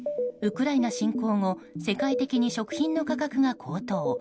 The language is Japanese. ウクライナ侵攻後世界的に食品の価格が高騰。